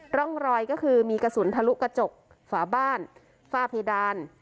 ร่องรอยก็คือมีกระสุนทะลุกระจกฝาบ้านฝ้าเพดาน